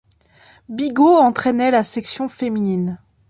Bigot entraînait la section féminine.